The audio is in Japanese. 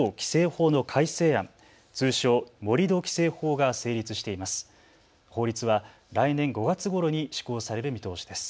法律は来年５月ごろに施行される見通しです。